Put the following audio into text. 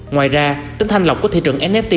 ngoài ra tính thanh lọc của thị trường nft